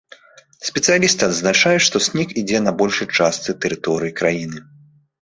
Спецыялісты адзначаюць, што снег ідзе на большай частцы тэрыторыі краіны.